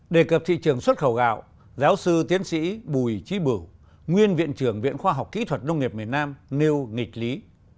đề cập thị trường xuất khẩu gạo giáo sư tiến sĩ bùi trí bửu nguyên viện trưởng viện khoa học kỹ thuật nông nghiệp miền nam nêu nghịch lý